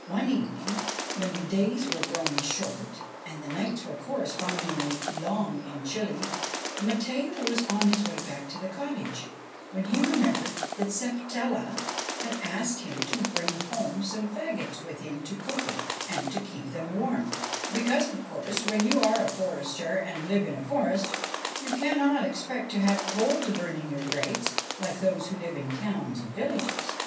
One evening, when the days were growing short and the nights were correspondingly long and chilly, Matteo was on his way back to the cottage, when he remembered that Sapatella had asked him to bring home some faggots with him to cook with and to keep them warm, because, of course, when you are a forester and live in a forest, 3' THE SERPENT PRINCE you cannot expect to have coal to burn in your grates, like those who live in towns and villages.